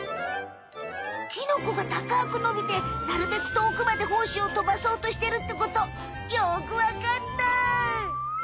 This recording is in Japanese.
キノコがたかくのびてなるべくとおくまでほうしをとばそうとしてるってことよくわかった！